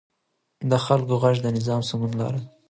د خلکو غږ د نظام د سمون لار ده